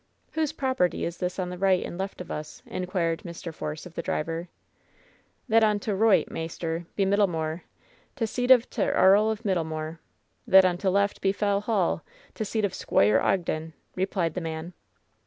"Whose property is this on the right and left of us V^ inquired Mr. Force of the driver, "Thet on t' roight, maister, be Middlemoor, t' seat o' f Arl o' Middlemoor. Thet on t' left be Fell Hall, t' seat o' Squoire Ogden,'' replied the man.